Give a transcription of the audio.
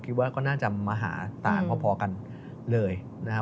คิดว่าก็น่าจะมาหาต่างพอกันเลยนะครับ